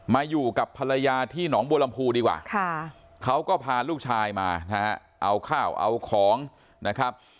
มาอยู่กับภรรยาที่หนองบัวลำพูดีกว่าเขาก็พาลูกชายมานะฮะเอาข้าวเอาของนะครับ